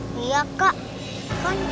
disini pengen ngapain